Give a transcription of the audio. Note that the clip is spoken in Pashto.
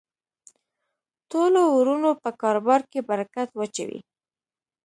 ټولو ورونو په کاربار کی برکت واچوی